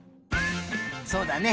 そうだね